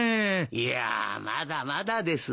いやまだまだです。